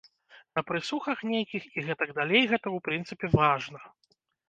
На прэсухах нейкіх і гэтак далей гэта, у прынцыпе, важна.